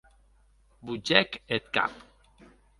Botgèc eth cap.